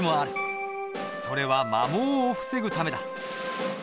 それは磨耗を防ぐためだ。